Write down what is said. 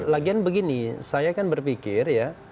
lagian begini saya kan berpikir ya